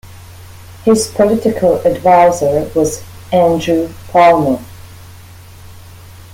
His political adviser was Andrew Palmer.